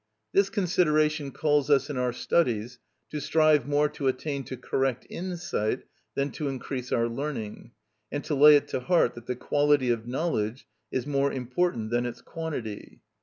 This consideration calls us in our studies to strive more to attain to correct insight than to increase our learning, and to lay it to heart that the quality of knowledge is more important than its quantity.